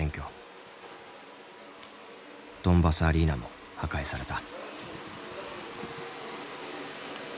ドンバスアリーナも破壊された。